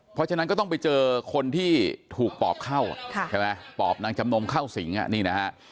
เพราะฉะนั้นก็ต้องไปเจอคนที่ถูกปอบเข้าใช่ไหมปอบนางจำนมเข้าสิงนี่นะฮะ